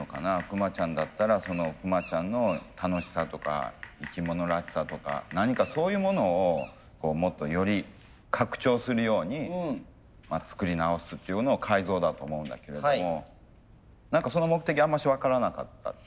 クマちゃんだったらそのクマちゃんの楽しさとか生き物らしさとか何かそういうものをもっとより拡張するように作り直すっていうのを改造だと思うんだけれども何かその目的あんまし分からなかった。